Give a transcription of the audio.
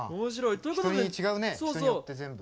人に違うね人によって全部。